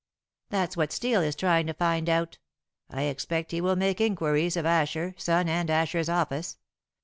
"That's what Steel is trying to find out. I expect he will make inquiries of Asher, Son, and Asher's office.